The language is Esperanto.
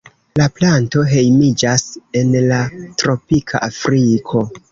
La planto hejmiĝas en la tropika Afriko.